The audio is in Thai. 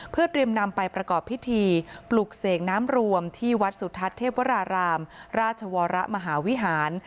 เพื่อเตรียมนำไปประกอบพิธีปลุกเสกน้ำรวมที่วัดสุทัศน์เทพวรารามราชวรมหาวิหาร